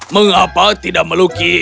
mengapa tidak melukis